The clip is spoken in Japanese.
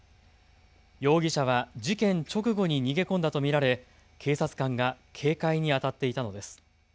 容疑者は事件直後に逃げ込んだと見られ警察官が警戒にあたっていたのです。